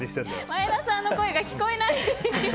前田さんの声が聞こえない。